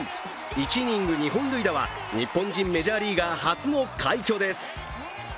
１イニング２本塁打は日本人メジャーリーガー初の快挙です。